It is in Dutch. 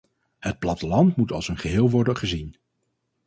Het platteland moet als een geheel worden gezien.